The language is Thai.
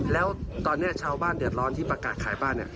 แล้วตอนนี้ชาวบ้านเดือดร้อนที่ประกาศขายบ้าน